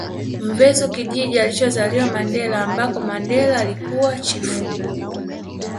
Mvezo kijiji alichozaliwa Mandela ambako Mandela alikuwa chifu